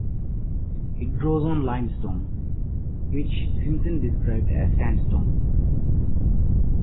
It grows on limestone (which Simpson described as sandstone).